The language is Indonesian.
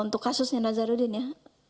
untuk kasusnya nazarudin ya